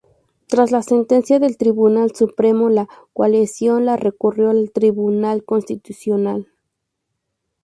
Tras la sentencia del Tribunal Supremo la coalición la recurrió al Tribunal Constitucional.